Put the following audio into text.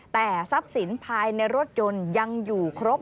แต่ทรัพย์สินภายในรถยนต์ยังอยู่ครบ